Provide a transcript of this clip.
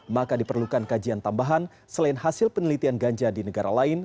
maka diperlukan kajian tambahan selain hasil penelitian ganja di negara lain